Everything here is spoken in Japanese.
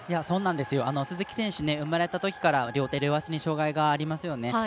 鈴木選手生まれたときから両手両足に障がいがありますよね。